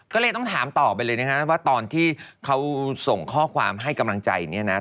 ก็เลยต้องถามต่อไปเลยนะฮะว่าตอนที่เขาส่งข้อความให้กำลังใจเนี่ยนะ